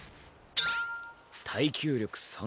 「耐久力３」。